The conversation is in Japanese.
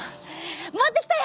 持ってきたよ！